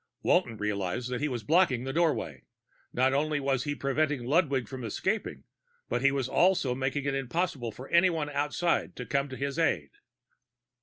Walton realized that he was blocking the doorway; not only was he preventing Ludwig from escaping, he was also making it impossible for anyone outside to come to his own aid.